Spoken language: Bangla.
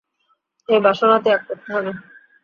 এ বাসনা ত্যাগ করতে হবে।